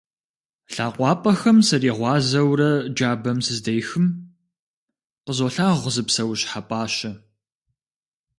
ЛъакъуапӀэхэм сригъуазэурэ джабэм сыздехым, къызолъагъу зы псэущхьэ пӀащэ.